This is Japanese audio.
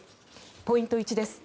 ポイント１です。